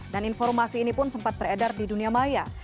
dan informasi ini pun sempat beredar di dunia maya